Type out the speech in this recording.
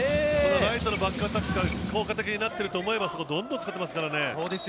ライトのバックアタックが効果的になってると思えばどんどん使ってますからね。